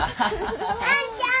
あんちゃん！